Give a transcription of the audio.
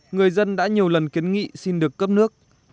người dân đã nhiều lần kiến nghị xin được cấp nước